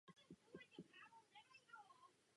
Momentálně žije v Praze se svým manželem a dvěma dětmi.